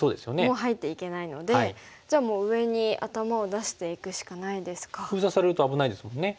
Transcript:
もう入っていけないのでじゃあもう上に頭を出していくしかないですか。封鎖されると危ないですもんね。